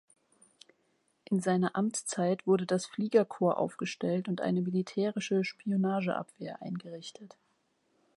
In seiner Amtszeit wurde das Fliegerkorps aufgestellt und eine militärische Spionageabwehr eingerichtet.